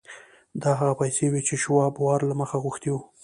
دا هغه پیسې وې چې شواب وار له مخه غوښتي وو